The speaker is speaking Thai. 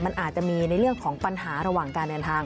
มันอาจจะมีในเรื่องของปัญหาระหว่างการเดินทาง